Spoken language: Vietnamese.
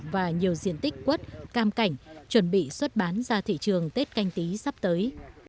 và nhiều diện tích quất cam cảnh chuẩn bị xuất bán ra thị trường tết canh tí sắp tới